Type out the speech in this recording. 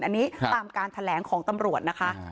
อันนี้ตามการแถลงของตำรวจนะคะ